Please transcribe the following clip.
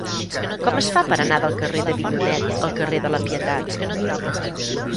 Com es fa per anar del carrer d'Avinyonet al carrer de la Pietat?